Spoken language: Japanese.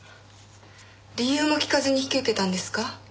理由も聞かずに引き受けたんですか？